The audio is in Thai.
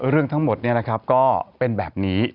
เรื่องทั้งหมดก็เป็นแบบนี้